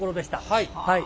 はい。